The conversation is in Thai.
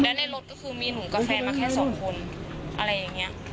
และในรถก็คือมีหนูกับแฟนมาแค่สองคนอะไรอย่างนี้